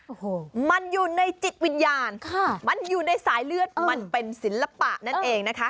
โอ้โหมันอยู่ในจิตวิญญาณค่ะมันอยู่ในสายเลือดมันเป็นศิลปะนั่นเองนะคะ